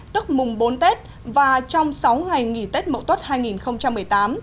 tức mùng bốn tết và trong sáu ngày nghỉ tết mẫu tốt hai nghìn một mươi tám